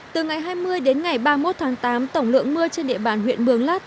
từ ngày hai mươi đến ngày ba mươi một tháng tám tổng lượng mưa trên địa bàn huyện mường lát